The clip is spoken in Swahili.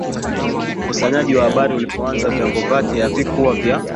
Ukusanyaji wa habari ulipoanza viwango vyake havikuwa vya